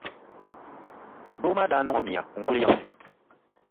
Doo maa daa niŋ o mia n-kuli yiŋa.